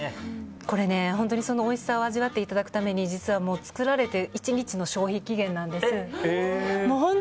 これ、本当においしさを味わっていただくために作られて１日の消費期限なんです。